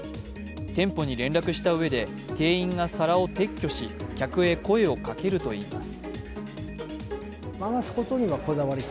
店舗に連絡したうえで店員が皿を撤去し客へ声をかけるといいます。